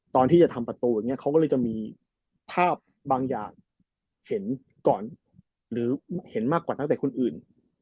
ตอนที่จะทำประตูอย่างนี้เขาก็เลยจะมีภาพบางอย่างเห็นก่อนหรือเห็นมากกว่านักเตะคนอื่น